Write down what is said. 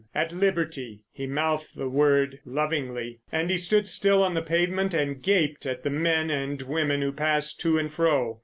At liberty! He mouthed the word lovingly. And he stood still on the pavement and gaped at the men and women who passed to and fro.